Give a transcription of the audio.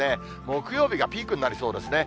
木曜日がピークになりそうですね。